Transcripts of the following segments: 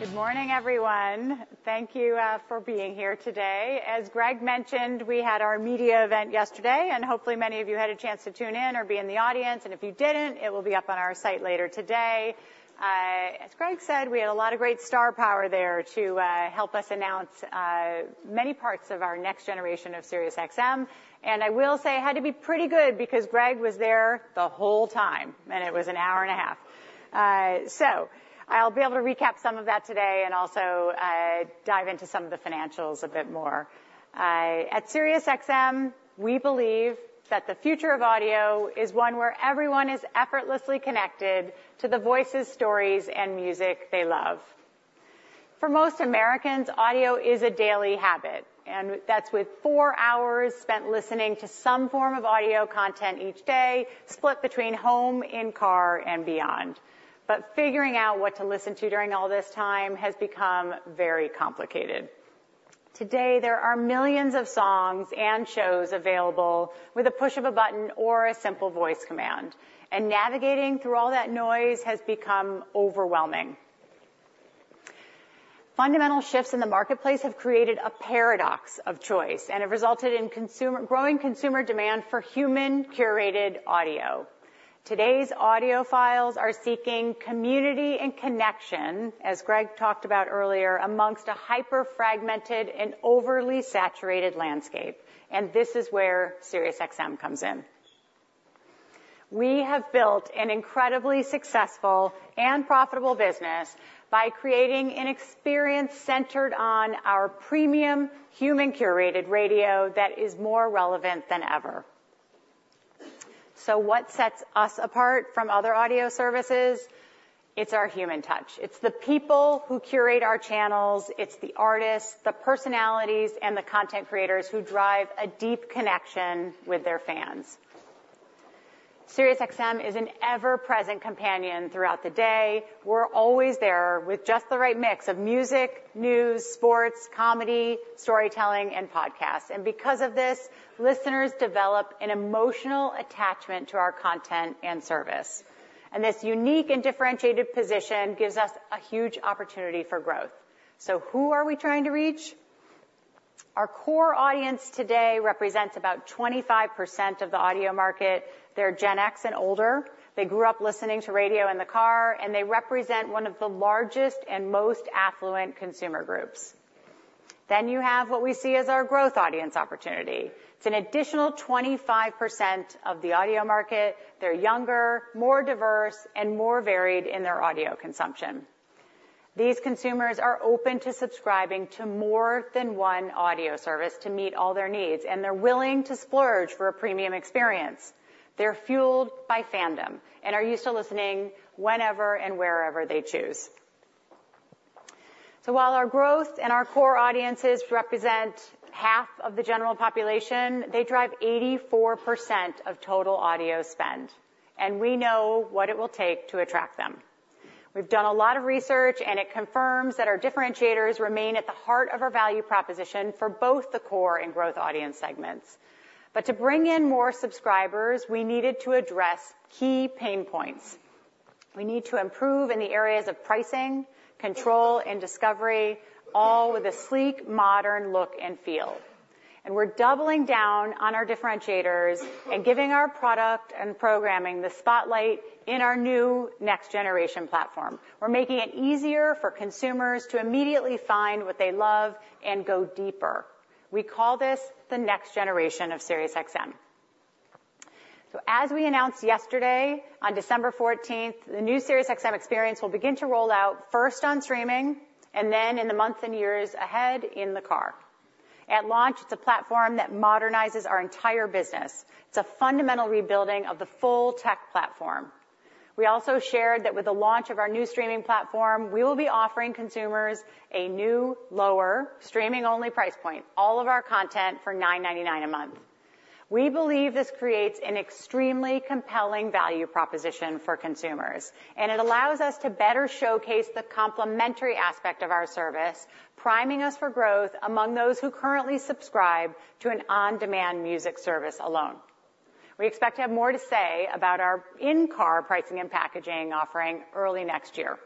Good morning, everyone. Thank you for being here today. As Greg mentioned, we had our media event yesterday, and hopefully, many of you had a chance to tune in or be in the audience, and if you didn't, it will be up on our site later today. As Greg said, we had a lot of great star power there to help us announce many parts of our next generation of SiriusXM. I will say it had to be pretty good because Greg was there the whole time, and it was an hour and a half. So I'll be able to recap some of that today and also dive into some of the financials a bit more. At SiriusXM, we believe that the future of audio is one where everyone is effortlessly connected to the voices, stories, and music they love. For most Americans, audio is a daily habit, and that's with four hours spent listening to some form of audio content each day, split between home, in-car, and beyond. But figuring out what to listen to during all this time has become very complicated. Today, there are millions of songs and shows available with a push of a button or a simple voice command, and navigating through all that noise has become overwhelming. Fundamental shifts in the marketplace have created a paradox of choice, and it resulted in growing consumer demand for human-curated audio. Today's audiophiles are seeking community and connection, as Greg talked about earlier, amongst a hyper-fragmented and overly saturated landscape, and this is where SiriusXM comes in. We have built an incredibly successful and profitable business by creating an experience centered on our premium human-curated radio that is more relevant than ever. So what sets us apart from other audio services? It's our human touch. It's the people who curate our channels, it's the artists, the personalities, and the content creators who drive a deep connection with their fans. SiriusXM is an ever-present companion throughout the day. We're always there with just the right mix of music, news, sports, comedy, storytelling, and podcasts. And because of this, listeners develop an emotional attachment to our content and service, and this unique and differentiated position gives us a huge opportunity for growth. So who are we trying to reach? Our core audience today represents about 25% of the audio market. They're Gen X and older. They grew up listening to radio in the car, and they represent one of the largest and most affluent consumer groups. Then you have what we see as our growth audience opportunity. It's an additional 25% of the audio market. They're younger, more diverse, and more varied in their audio consumption. These consumers are open to subscribing to more than one audio service to meet all their needs, and they're willing to splurge for a premium experience. They're fueled by fandom and are used to listening whenever and wherever they choose. So while our growth and our core audiences represent half of the general population, they drive 84% of total audio spend, and we know what it will take to attract them. We've done a lot of research, and it confirms that our differentiators remain at the heart of our value proposition for both the core and growth audience segments. But to bring in more subscribers, we needed to address key pain points. We need to improve in the areas of pricing, control, and discovery, all with a sleek, modern look and feel. We're doubling down on our differentiators and giving our product and programming the spotlight in our new next-generation platform. We're making it easier for consumers to immediately find what they love and go deeper. We call this the next generation of SiriusXM. As we announced yesterday, on December fourteenth, the new SiriusXM experience will begin to roll out first on streaming, and then in the months and years ahead, in the car. At launch, it's a platform that modernizes our entire business. It's a fundamental rebuilding of the full tech platform. We also shared that with the launch of our new streaming platform, we will be offering consumers a new, lower streaming-only price point, all of our content for $9.99 a month. We believe this creates an extremely compelling value proposition for consumers, and it allows us to better showcase the complementary aspect of our service, priming us for growth among those who currently subscribe to an on-demand music service alone. We expect to have more to say about our in-car pricing and packaging offering early next year.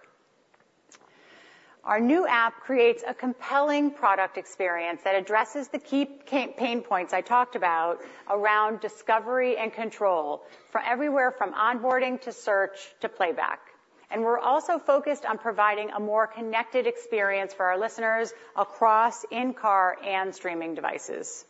Our new app creates a compelling product experience that addresses the key pain points I talked about around discovery and control, for everywhere from onboarding to search to playback. We're also focused on providing a more connected experience for our listeners across in-car and streaming devices.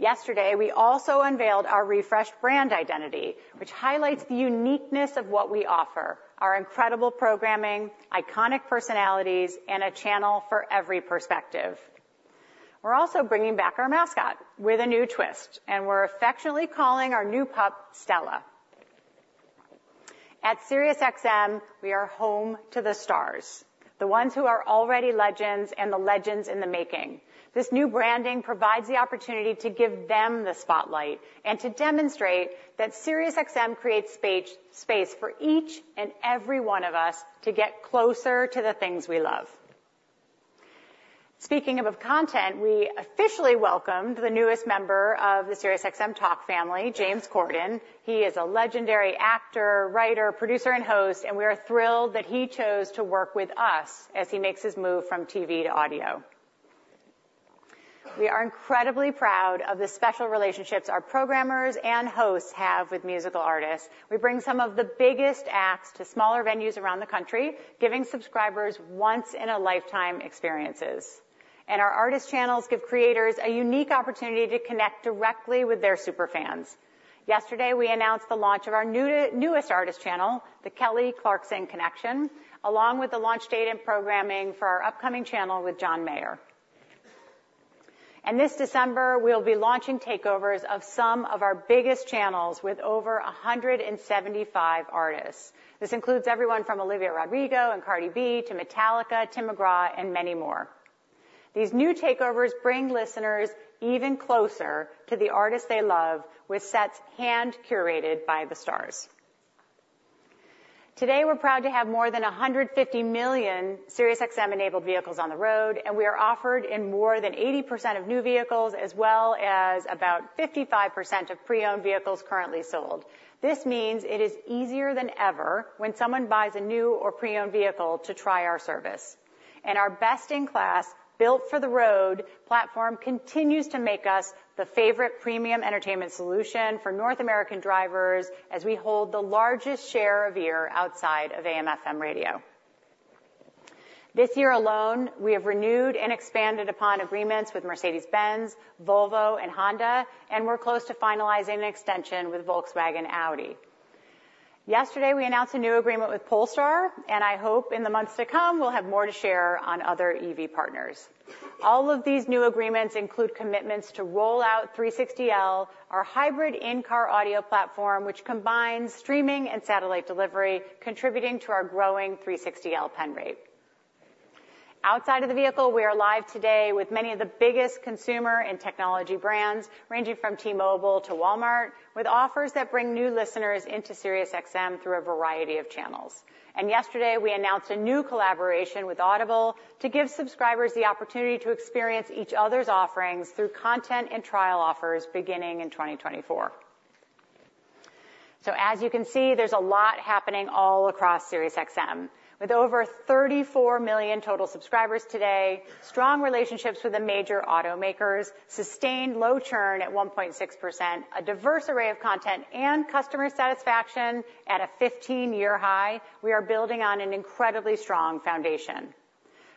Yesterday, we also unveiled our refreshed brand identity, which highlights the uniqueness of what we offer, our incredible programming, iconic personalities, and a channel for every perspective. We're also bringing back our mascot with a new twist, and we're affectionately calling our new pup Stella. At SiriusXM, we are home to the stars, the ones who are already legends and the legends in the making. This new branding provides the opportunity to give them the spotlight and to demonstrate that SiriusXM creates space for each and every one of us to get closer to the things we love... Speaking of content, we officially welcomed the newest member of the SiriusXM Talk family, James Corden. He is a legendary actor, writer, producer, and host, and we are thrilled that he chose to work with us as he makes his move from TV to audio. We are incredibly proud of the special relationships our programmers and hosts have with musical artists. We bring some of the biggest acts to smaller venues around the country, giving subscribers once-in-a-lifetime experiences. And our artist channels give creators a unique opportunity to connect directly with their super fans. Yesterday, we announced the launch of our newest artist channel, The Kelly Clarkson Connection, along with the launch date and programming for our upcoming channel with John Mayer. This December, we'll be launching takeovers of some of our biggest channels with over 175 artists. This includes everyone from Olivia Rodrigo and Cardi B to Metallica, Tim McGraw, and many more. These new takeovers bring listeners even closer to the artists they love, with sets hand-curated by the stars. Today, we're proud to have more than 150 million SiriusXM-enabled vehicles on the road, and we are offered in more than 80% of new vehicles, as well as about 55% of pre-owned vehicles currently sold. This means it is easier than ever when someone buys a new or pre-owned vehicle to try our service. Our best-in-class, Built for the Road platform continues to make us the favorite premium entertainment solution for North American drivers, as we hold the largest share of ear outside of AM/FM radio. This year alone, we have renewed and expanded upon agreements with Mercedes-Benz, Volvo, and Honda, and we're close to finalizing an extension with Volkswagen and Audi. Yesterday, we announced a new agreement with Polestar, and I hope in the months to come, we'll have more to share on other EV partners. All of these new agreements include commitments to roll out 360L, our hybrid in-car audio platform, which combines streaming and satellite delivery, contributing to our growing 360L pen rate. Outside of the vehicle, we are live today with many of the biggest consumer and technology brands, ranging from T-Mobile to Walmart, with offers that bring new listeners into SiriusXM through a variety of channels. Yesterday, we announced a new collaboration with Audible to give subscribers the opportunity to experience each other's offerings through content and trial offers beginning in 2024. As you can see, there's a lot happening all across SiriusXM. With over 34 million total subscribers today, strong relationships with the major automakers, sustained low churn at 1.6%, a diverse array of content and customer satisfaction at a 15-year high, we are building on an incredibly strong foundation.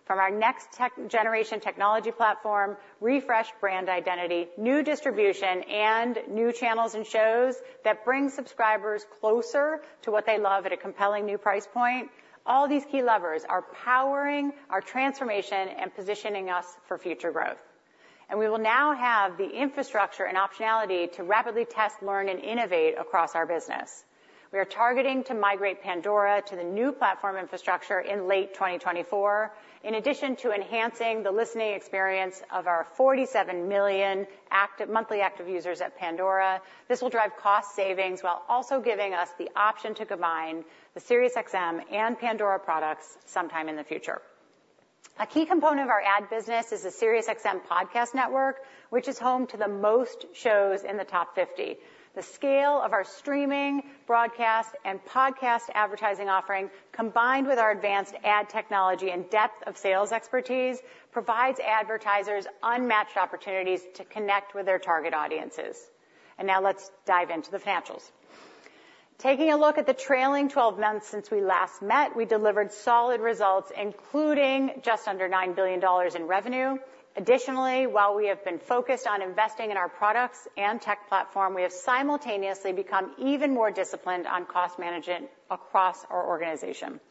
From our next-generation technology platform, refreshed brand identity, new distribution, and new channels and shows that bring subscribers closer to what they love at a compelling new price point, all these key levers are powering our transformation and positioning us for future growth. We will now have the infrastructure and optionality to rapidly test, learn, and innovate across our business. We are targeting to migrate Pandora to the new platform infrastructure in late 2024. In addition to enhancing the listening experience of our 47 million monthly active users at Pandora, this will drive cost savings while also giving us the option to combine the SiriusXM and Pandora products sometime in the future. A key component of our ad business is the SiriusXM Podcast Network, which is home to the most shows in the top 50. The scale of our streaming, broadcast, and podcast advertising offering, combined with our advanced ad technology and depth of sales expertise, provides advertisers unmatched opportunities to connect with their target audiences. And now let's dive into the financials. Taking a look at the trailing 12 months since we last met, we delivered solid results, including just under $9 billion in revenue. Additionally, while we have been focused on investing in our products and tech platform, we have simultaneously become even more disciplined on cost management across our organization.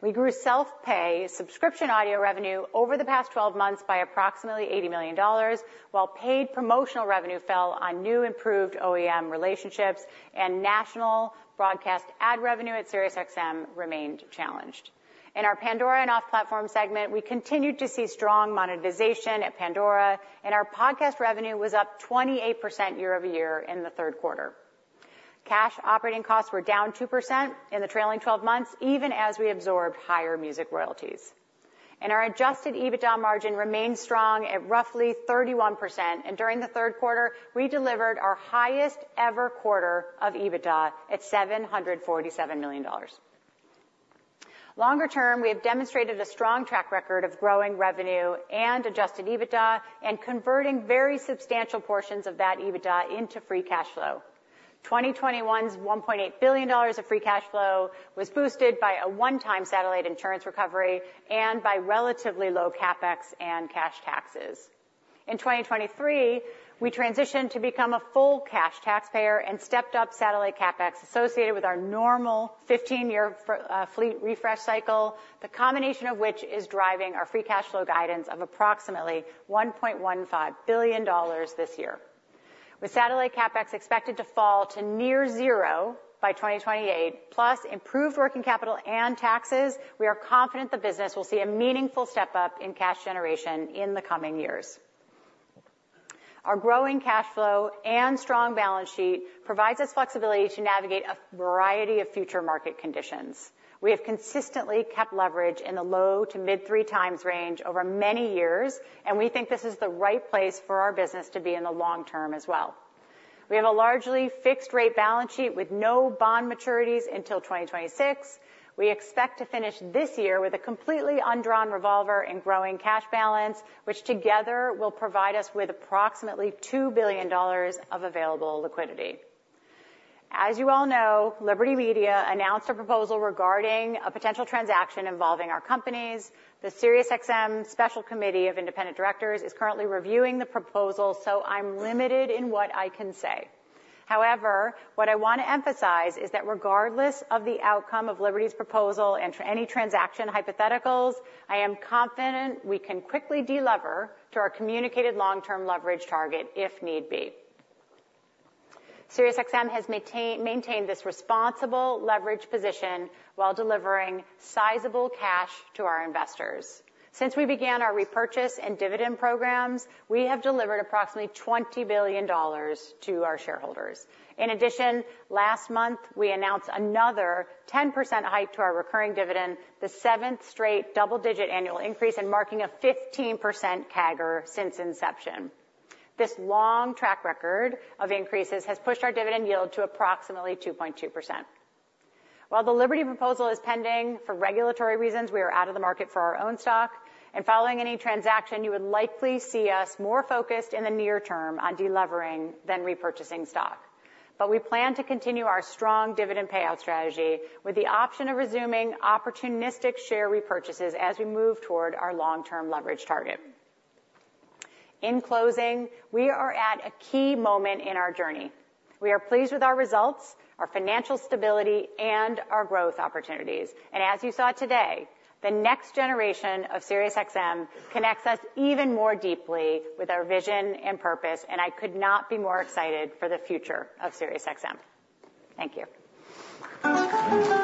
We grew self-pay subscription audio revenue over the past 12 months by approximately $80 million, while paid promotional revenue fell on new improved OEM relationships, and national broadcast ad revenue at SiriusXM remained challenged. In our Pandora and off-platform segment, we continued to see strong monetization at Pandora, and our podcast revenue was up 28% year-over-year in the third quarter. Cash operating costs were down 2% in the trailing 12 months, even as we absorbed higher music royalties. Our adjusted EBITDA margin remained strong at roughly 31%, and during the third quarter, we delivered our highest-ever quarter of EBITDA at $747 million. Longer term, we have demonstrated a strong track record of growing revenue and adjusted EBITDA and converting very substantial portions of that EBITDA into free cash flow. 2021's $1.8 billion of free cash flow was boosted by a one-time satellite insurance recovery and by relatively low CapEx and cash taxes. In 2023, we transitioned to become a full cash taxpayer and stepped up satellite CapEx associated with our normal 15-year fleet refresh cycle, the combination of which is driving our free cash flow guidance of approximately $1.15 billion this year. With satellite CapEx expected to fall to near zero by 2028, plus improved working capital and taxes, we are confident the business will see a meaningful step-up in cash generation in the coming years. Our growing cash flow and strong balance sheet provides us flexibility to navigate a variety of future market conditions. We have consistently kept leverage in the low- to mid-3x range over many years, and we think this is the right place for our business to be in the long term as well. We have a largely fixed rate balance sheet with no bond maturities until 2026. We expect to finish this year with a completely undrawn revolver and growing cash balance, which together will provide us with approximately $2 billion of available liquidity. As you all know, Liberty Media announced a proposal regarding a potential transaction involving our companies. The SiriusXM Special Committee of Independent Directors is currently reviewing the proposal, so I'm limited in what I can say. However, what I want to emphasize is that regardless of the outcome of Liberty's proposal and to any transaction hypotheticals, I am confident we can quickly delever to our communicated long-term leverage target if need be. SiriusXM has maintained this responsible leverage position while delivering sizable cash to our investors. Since we began our repurchase and dividend programs, we have delivered approximately $20 billion to our shareholders. In addition, last month, we announced another 10% hike to our recurring dividend, the seventh straight double-digit annual increase, and marking a 15% CAGR since inception. This long track record of increases has pushed our dividend yield to approximately 2.2%. While the Liberty proposal is pending, for regulatory reasons, we are out of the market for our own stock, and following any transaction, you would likely see us more focused in the near term on delevering than repurchasing stock. But we plan to continue our strong dividend payout strategy with the option of resuming opportunistic share repurchases as we move toward our long-term leverage target. In closing, we are at a key moment in our journey. We are pleased with our results, our financial stability, and our growth opportunities. As you saw today, the next generation of SiriusXM connects us even more deeply with our vision and purpose, and I could not be more excited for the future of SiriusXM. Thank you.